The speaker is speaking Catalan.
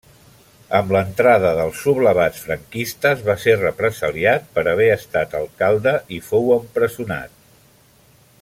Amb l'entrada dels sublevats franquistes va ser represaliat per haver estat alcalde i fou empresonat.